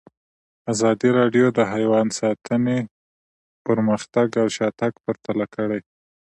ازادي راډیو د حیوان ساتنه پرمختګ او شاتګ پرتله کړی.